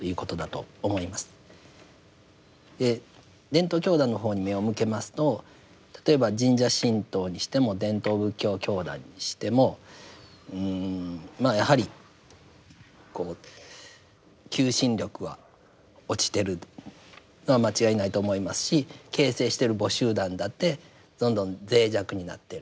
伝統教団の方に目を向けますと例えば神社神道にしても伝統仏教教団にしてもうんまあやはりこう求心力は落ちてるのは間違いないと思いますし形成している母集団だってどんどん脆弱になっている。